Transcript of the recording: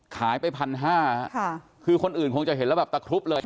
ขายไป๑๕๐๐คือคนอื่นคงจะเห็นและตะครุบ